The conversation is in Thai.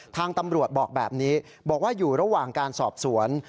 ทางตำรวจบอกแบบนี้บอกว่าอยู่ระหว่างการสอบสวน